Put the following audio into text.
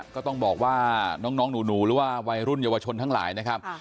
ก็ต้องบอกว่าน้องหนูหรือว่าวัยรุ่นเยาวชนทั้งหลายนะครับ